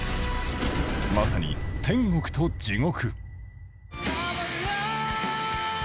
まさに天国と地獄。